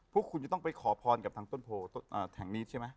พวกคุณจะต้องไปขอพรกับทางต้นโพแห่งนี้ใช่ไหม